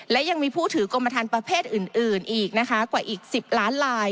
และยังมีผู้ถือกรมฐานประเภทอื่นอีกนะคะกว่าอีก๑๐ล้านลาย